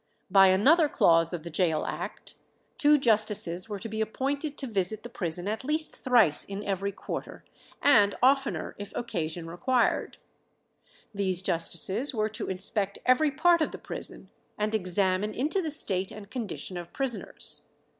By another clause of the Gaol Act, two justices were to be appointed to visit the prison at least thrice in every quarter, and "oftener if occasion required." These justices were to inspect every part of the prison, and examine into the state and condition of prisoners.